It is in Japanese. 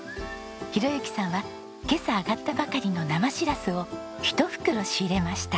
宏幸さんは今朝揚がったばかりの生しらすを一袋仕入れました。